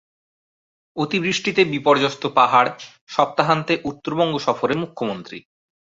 অতিবৃষ্টিতে বিপর্যস্ত পাহাড়, সপ্তাহান্তে উত্তরবঙ্গ সফরে মুখ্যমন্ত্রী